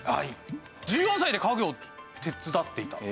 １４歳で家業を手伝っていた。